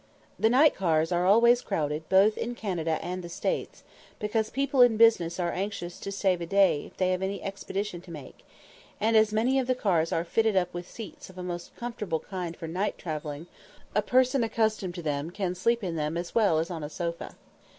The night cars are always crowded both in Canada and the States, because people in business are anxious to save a day if they have any expedition to make, and, as many of the cars are fitted up with seats of a most comfortable kind for night travelling, a person accustomed to them can sleep in them as well as on a sofa.